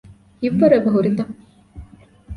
ހިތްވަރު އެބަހުރިތަ؟